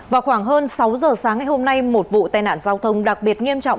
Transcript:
vào khoảng hơn sáu giờ sáng ngày hôm nay một vụ tai nạn giao thông đặc biệt nghiêm trọng